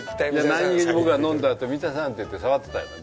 何げに僕が飲んだあと「水谷さん！」って言って触ってたよね